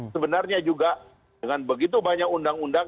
sebenarnya juga dengan begitu banyak undang undang